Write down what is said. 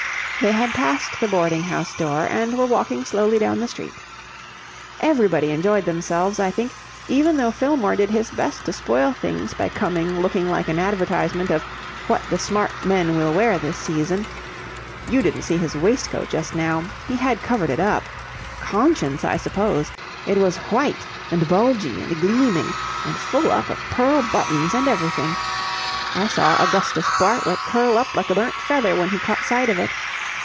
They had passed the boarding house door, and were walking slowly down the street. "Everybody enjoyed themselves, I think, even though Fillmore did his best to spoil things by coming looking like an advertisement of What The Smart Men Will Wear This Season. You didn't see his waistcoat just now. He had covered it up. Conscience, I suppose. It was white and bulgy and gleaming and full up of pearl buttons and everything. I saw Augustus Bartlett curl up like a burnt feather when he caught sight of it.